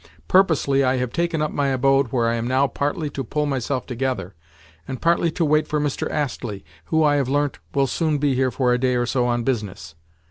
Purposely I have taken up my abode where I am now partly to pull myself together, and partly to wait for Mr. Astley, who, I have learnt, will soon be here for a day or so on business.